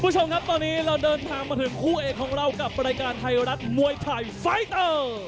ตอนนี้เราเดินทางมาถึงคู่เอกของเรากับประการไทยรัฐมวยไทยไฟตเตอร์